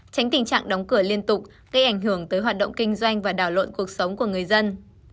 tránh tình trạng đóng cửa liên tục gây ảnh hưởng tới hoạt động kinh doanh và đảo lộn cuộc sống của người dân